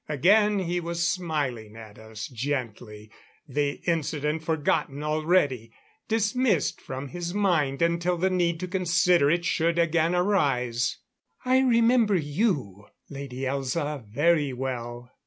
Again he was smiling at us gently, the incident forgotten already dismissed from his mind until the need to consider it should again arise. "I remember you, Lady Elza, very well."